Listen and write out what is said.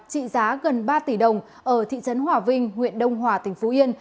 trị giá gần ba tỷ đồng ở thị trấn hòa vinh huyện đông hòa tỉnh phú yên